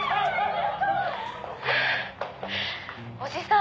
「おじさん